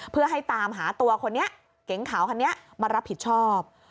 เพื่อให้ตามหาตัวคนนี้เก๋งขาวคันนี้มารับผิดชอบ